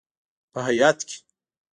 په هیات کې: